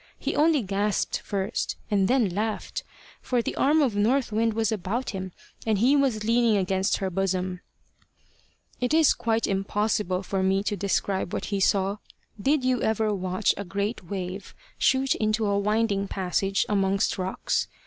He only gasped first and then laughed, for the arm of North Wind was about him, and he was leaning against her bosom. It is quite impossible for me to describe what he saw. Did you ever watch a great wave shoot into a winding passage amongst rocks?